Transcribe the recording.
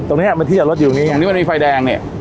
ตรงเนี้ยมันที่จอดรถอยู่ตรงนี้อย่างนี้มันมีไฟแดงเนี่ย